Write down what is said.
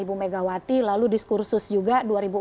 ibu megawati lalu diskursus juga